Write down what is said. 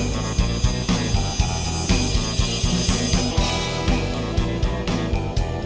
gak usah our